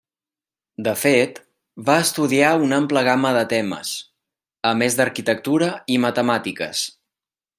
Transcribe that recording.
De fet, va estudiar una ampla gamma de temes, a més d'arquitectura i matemàtiques.